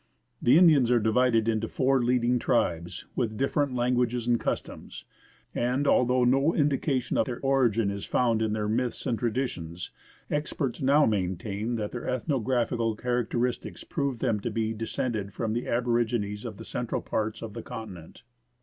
The Indians are divided into four leading tribes, with different languages and customs ; and although no indication of their origin is found in their myths and traditions, experts now maintain that their ethnographical characteristics prove them to be descended from the aborigines of the central parts of the continent.